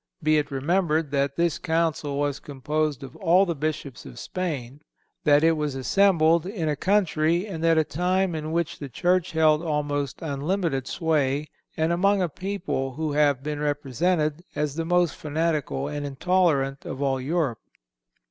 Be it remembered that this Council was composed of all the Bishops of Spain, that it was assembled in a country and at a time in which the Church held almost unlimited sway, and among a people who have been represented as the most fanatical and intolerant of all Europe.